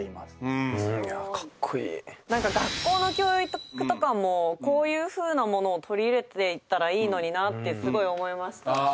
何か学校の教育とかもこういうふうなものを取り入れていったらいいのになってすごい思いました。